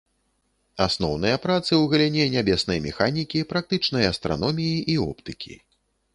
Асноўныя працы ў галіне нябеснай механікі, практычнай астраноміі і оптыкі.